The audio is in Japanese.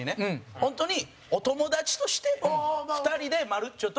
本当に、お友達として２人で、まるっちょと。